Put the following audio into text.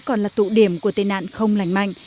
còn là tụ điểm của tệ nạn không lành mạnh